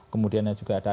kemudian juga ada